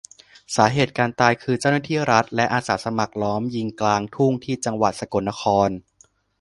สาเหตุการตายคือ เจ้าหน้าที่รัฐและอาสาสมัครล้อมยิงกลางทุ่ง ที่จังหวัดสกลนคร